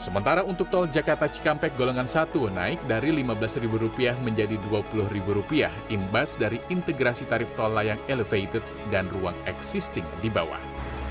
sementara untuk tol jakarta cikampek golongan satu naik dari rp lima belas menjadi rp dua puluh imbas dari integrasi tarif tol layang elevated dan ruang existing di bawah